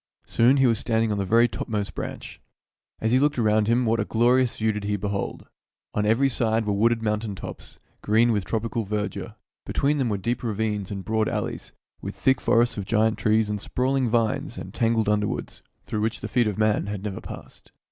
Soon he was stand ing on the very topmost branch. As he looked "UPON A PEAK IN DARIEN" 19 around him, what a glorious view did he behold ! On every side were wooded mountain tops, green with tropical verdure. Between them were deep ravines and broad valleys, with thick forests of giant trees and sprawling vines and tangled un derwoods, through which the feet of man had never passed.